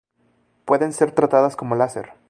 Pueden ser tratadas con láser.